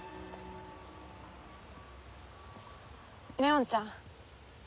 祢音ちゃん。